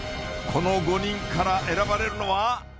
この５人から選ばれるのは？